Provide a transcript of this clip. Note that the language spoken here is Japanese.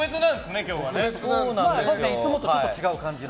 いつもとちょっと違う感じの。